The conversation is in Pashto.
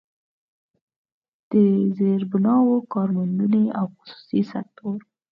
د زيربناوو، کارموندنې او خصوصي سکتور